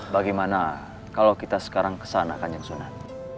bagaimana kalau kita sekarang kesana kanjeng sunat